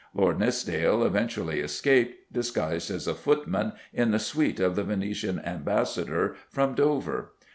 Lord Nithsdale eventually escaped, disguised as a footman, in the suite of the Venetian Ambassador, from Dover.